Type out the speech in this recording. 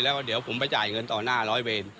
แล้วเดี๋ยวผมไปจ่ายเงินต่อหน้าร้อยเวร